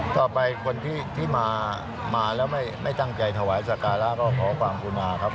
ต่อไปคนที่มาแล้วไม่ตั้งใจถวายสการะก็เพราะความภูมิมาครับ